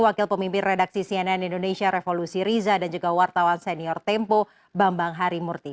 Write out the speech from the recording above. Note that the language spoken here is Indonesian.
wakil pemimpin redaksi cnn indonesia revolusi riza dan juga wartawan senior tempo bambang harimurti